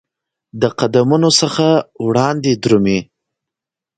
د قدمونو څخه وړاندي درومې